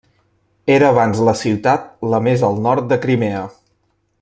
Era abans la ciutat la més al nord de Crimea.